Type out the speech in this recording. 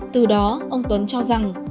từ đó ông tuấn cho rằng